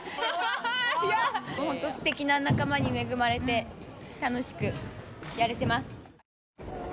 すてきな仲間に恵まれて楽しくやれてます。